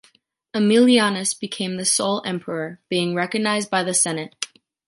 Emilianus become the sole Emperor, being recognized by the Senate.